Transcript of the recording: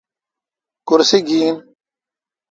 کرسہ گین۔